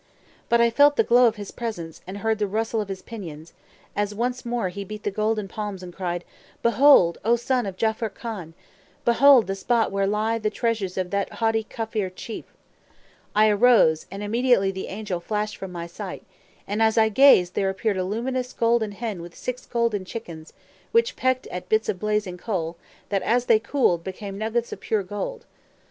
But I felt the glow of his presence and heard the rustle of his pinions, as once more he beat the golden palms and cried, 'Behold, O son of Jaffur Khan! behold the spot where lie the treasures of that haughty Kafir chief!' I arose, and immediately the angel flashed from my sight; and as I gazed there appeared a luminous golden hen with six golden chickens, which pecked at bits of blazing coal that, as they cooled, became nuggets of pure gold.